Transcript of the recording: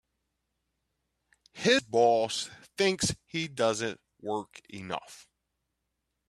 His boss thinks he doesn't work enough.